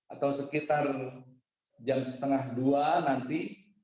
atau sekitar jam setengah dua nanti